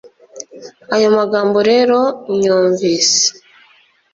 "Ayo magambo rero nyumvise